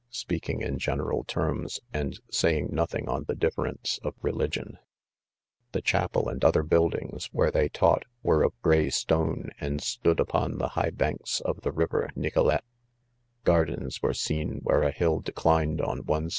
j; speaking' ia. general term Dj. a^4 ^ying ■nothing; on; the difference of reii glen, ,.,.' c The, chapeliaudr other ^buildings where they THE CONFESSIONS* 89 taught, were of' gray stone, and stood upon the. high banks of the river Nicolet, .Gardens were seen where a hill declined on one